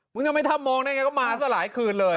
ยังไม่ทำมองได้ไงก็มาซะหลายคืนเลย